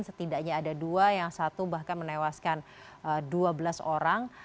setidaknya ada dua yang satu bahkan menewaskan dua belas orang